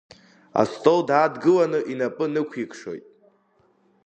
Астол даадгыланы инапы нықәиқшоит.